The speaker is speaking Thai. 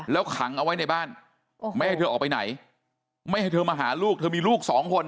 แล้วขังเอาไว้ในบ้านไม่ให้เธอออกไปไหนไม่ให้เธอมาหาลูกเธอมีลูกสองคน